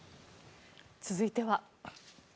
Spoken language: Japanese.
続いては。